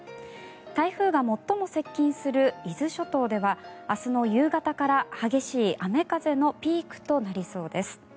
台風が最も接近する伊豆諸島では明日の夕方から激しい雨風のピークとなりそうです。